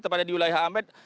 tempatnya di wilayah amed